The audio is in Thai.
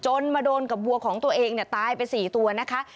มาโดนกับวัวของตัวเองตายไป๔ตัวนะคะ